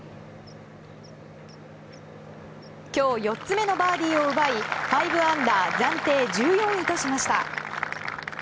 今日４つ目のバーディーを奪い５アンダー暫定１４位としました。